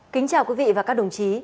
xin chào quý vị và các đồng chí